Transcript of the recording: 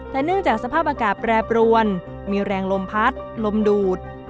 แต่เนื่องจากสภาพอากาศแปรปรวนมีแรงลมพัดลมดูด